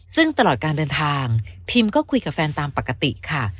ซึ่งตลอดการเดินทางพิมก็คุยกับแฟนตามปกติค่ะ